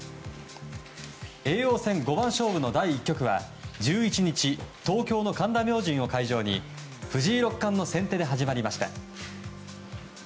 叡王戦五番勝負の第１局は１１日、東京の神田明神を会場に藤井六冠の先手で始まりました。